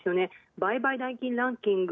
売買代金ランキング